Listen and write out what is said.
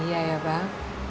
iya ya bang